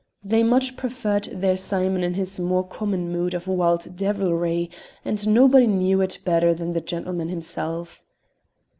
They much preferred their Simon in his more common mood of wild devilry, and nobody knew it better than the gentleman himself.